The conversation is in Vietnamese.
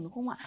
đúng không ạ